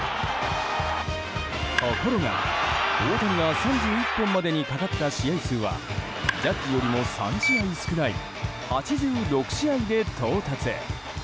ところが、大谷が３１本までにかかった試合数はジャッジよりも３試合少ない８６試合で到達。